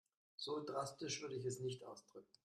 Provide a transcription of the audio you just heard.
So drastisch würde ich es nicht ausdrücken.